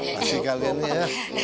masih kalian ya